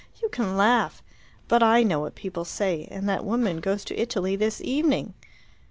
You can laugh. But I know what people say; and that woman goes to Italy this evening."